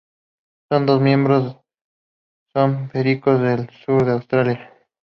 Sus dos miembros son pericos del sur de Australia.